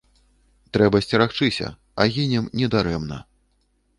Трэба сцерагчыся, а гінем не дарэмна.